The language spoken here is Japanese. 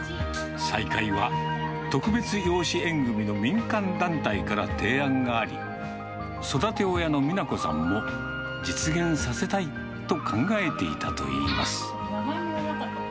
再会は特別養子縁組みの民間団体から提案があり、育て親の美名子さんも、実現させたいと考え